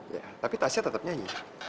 ya tapi tasnya tetap nyanyi